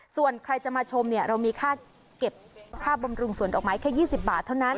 ส่วนใครจะมาชมเนี่ยเรามีค่าเก็บค่าบำรุงสวนดอกไม้แค่๒๐บาทเท่านั้น